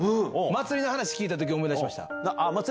祭りの話聞いたとき、思い出しました。